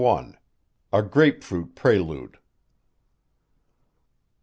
A GRAPEFRUIT PRELUDE.